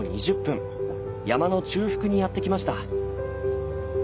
山の中腹にやって来ました。